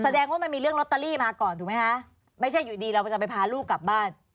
แสดงว่ามันมีเรื่องลอตเตอรี่มาก่อนถูกไหมคะไม่ใช่อยู่ดีเราจะไปพาลูกกลับบ้าน